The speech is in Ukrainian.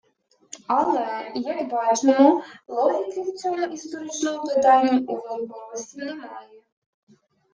Але, як бачимо, логіки в цьому історичному питанні у великоросів немає